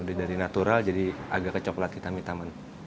jadi natural jadi agak kecoklat hitam hitaman